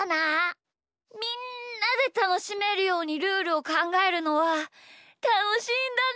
みんなでたのしめるようにルールをかんがえるのはたのしいんだね！